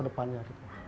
untuk masa depannya